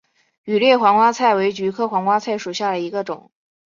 羽裂黄瓜菜为菊科黄瓜菜属下的一个种。